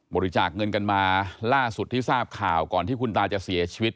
บริจาคเงินกันมาล่าสุดที่ทราบข่าวก่อนที่คุณตาจะเสียชีวิต